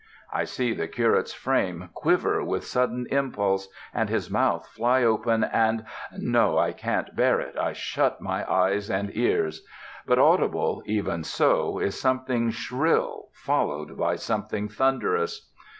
I see the curate's frame quiver with sudden impulse, and his mouth fly open, and no, I can't bear it, I shut my eyes and ears. But audible, even so, is something shrill, followed by something thunderous.